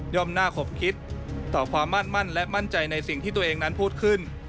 หน้าขบคิดต่อความมั่นและมั่นใจในสิ่งที่ตัวเองนั้นพูดขึ้น